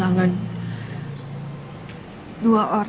masa yang bridget ngerti